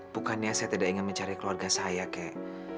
bukannya saya tidak ingin mencari keluarga saya kayak